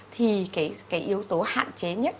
thì cái yếu tố hạn chế nhất